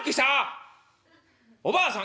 おばあさん